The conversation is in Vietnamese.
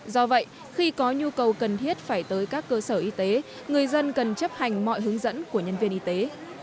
do vậy khi có nhu cầu cần thiết phải tới các cơ sở y tế người dân cần chấp hành mọi hướng dẫn của nhân viên y tế